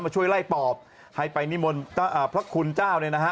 ช่วยไล่ปอบให้ไปนิมนต์พระคุณเจ้าเนี่ยนะฮะ